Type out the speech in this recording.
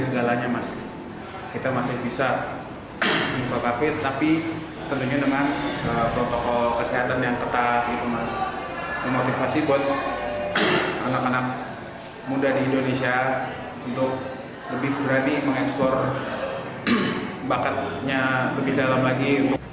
segalanya masih kita masih bisa mengubah kafe tapi tentunya dengan protokol kesehatan yang tetap memotivasi buat anak anak muda di indonesia untuk lebih berani mengeksplor bakatnya lebih dalam lagi